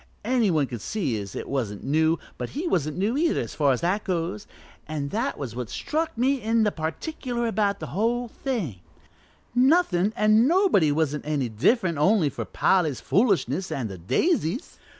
Any one could see as it wasn't new, but he wasn't new either, as far as that goes, an' that was what struck me in particular about the whole thing nothin' an' nobody wasn't any different only for Polly's foolishness and the daisies.